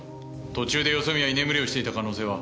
途中でよそ見や居眠りをしていた可能性は？